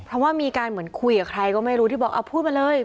เพราะว่ามีการเหมือนคุยกับใครก็ไม่รู้ที่บอกเอาพูดมาเลย